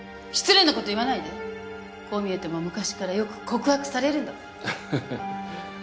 失礼なこと言わないでこう見えても昔からよく告白されるんだからアハハハ